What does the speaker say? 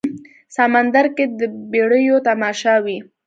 سمندر کې د بیړیو تماشا وي